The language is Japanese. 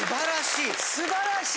いや素晴らしい。